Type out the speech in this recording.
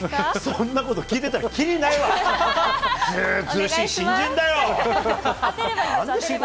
そんなこと聞いてたら、切りないわ！